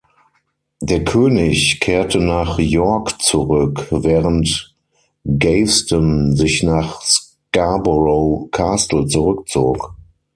Der König kehrte nach York zurück, während Gaveston sich nach Scarborough Castle zurückzog.